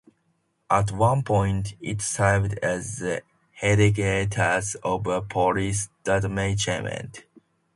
At one point, it served as the headquarters of a police detachment.